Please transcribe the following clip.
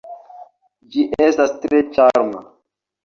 Ĝi estas tre ĉarma.